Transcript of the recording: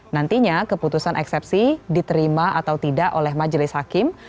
nantinya keputusan eksepsi diterima atau tidak oleh majelis hakim